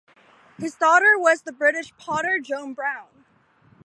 His daughter was the British potter Joan Brown.